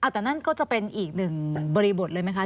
แต่นั่นก็จะเป็นอีกหนึ่งบริบทเลยไหมคะ